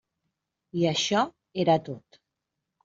I això era tot.